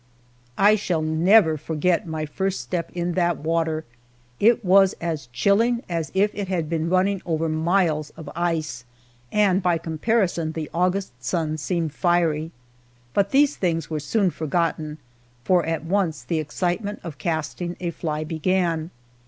I shall never forget my first step in that water! It was as chilling as if it had been running over miles of ice, and by comparison the August sun seemed fiery; but these things were soon forgotten, for at once the excitement of casting a fly began.